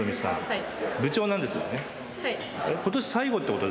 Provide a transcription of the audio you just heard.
はい。